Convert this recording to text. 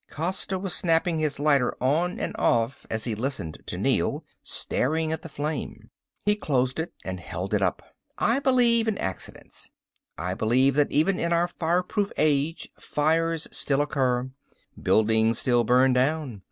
Costa was snapping his lighter on and off as he listened to Neel, staring at the flame. He closed it and held it up. "I believe in accidents. I believe that even in our fireproof age, fires still occur. Buildings still burn down.